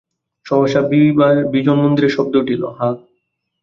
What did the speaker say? সহসা বিজন মন্দিরে শব্দ উঠিল, হাঁ।